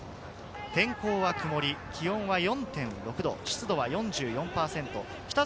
天候は曇り、気温は４．６度、湿度４４％。